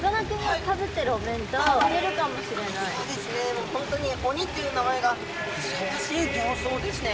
もう本当に鬼っていう名前がふさわしい形相ですね。